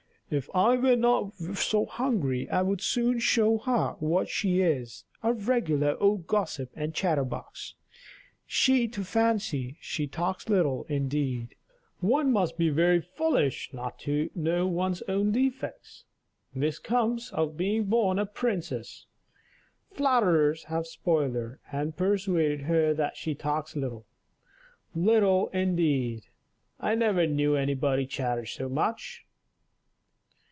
"If I were not so very hungry I would soon show her what she is a regular old gossip and chatter box. She to fancy she talks little, indeed! One must be very foolish not to know one's own defects. This comes of being born a princess. Flatterers have spoiled her, and persuaded her that she talks little. Little, indeed! I never knew anybody chatter so much."